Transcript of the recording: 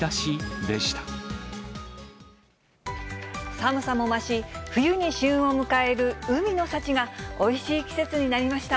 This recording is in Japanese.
寒さも増し、冬に旬を迎える海の幸がおいしい季節になりました。